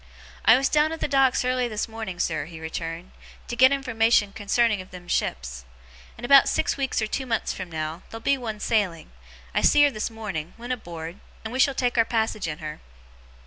'I was down at the Docks early this morning, sir,' he returned, 'to get information concerning of them ships. In about six weeks or two months from now, there'll be one sailing I see her this morning went aboard and we shall take our passage in her.